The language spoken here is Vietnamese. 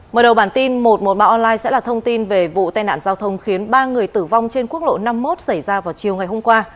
mở đầu bản tin một trăm một mươi ba online sẽ là thông tin về vụ tai nạn giao thông khiến ba người tử vong trên quốc lộ năm mươi một xảy ra vào chiều ngày hôm qua